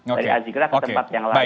dari azigraha ke jawa tenggara